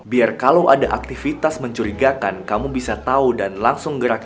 biar kalau ada aktivitas mencurigakan kamu bisa tahu dan langsung gerak